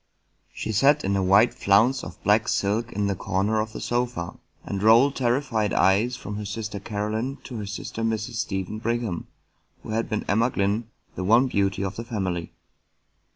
She sat in a wide flounce of black silk in the corner of the sofa, and rolled terrified eyes from her sister Caroline to her sister Mrs. Stephen Brigham, who had been Emma Glynn, the one beauty of the family.